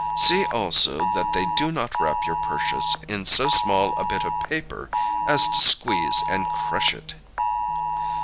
See also that they do not wrap your purchase in so small a bit of paper as to squeeze and crush it.